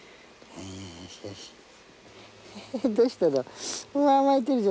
どうしたの。